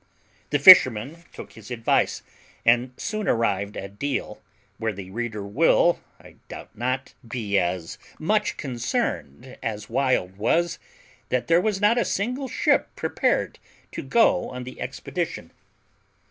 The fisherman took his advice, and soon arrived at Deal, where the reader will, I doubt not, be as much concerned as Wild was, that there was not a single ship prepared to go on the expedition.